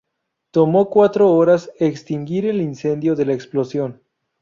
Tomó cuatro horas extinguir el incendio de la explosión.